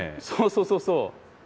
そうそうそうそう。